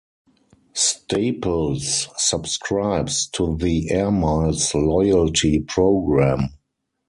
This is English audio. Staples subscribes to the Air Miles loyalty program.